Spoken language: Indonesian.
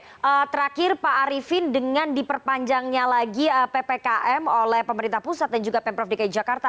oke terakhir pak arifin dengan diperpanjangnya lagi ppkm oleh pemerintah pusat dan juga pemprov dki jakarta